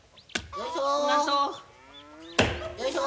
よいしょ。